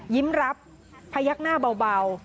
ยิ้มรับพยักหน้าเบา